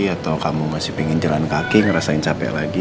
atau kamu masih pengen jalan kaki ngerasain capek lagi